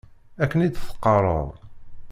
Akken i d-teqqareḍ.